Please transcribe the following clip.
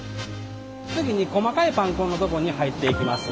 次に細かいパン粉のとこに入っていきます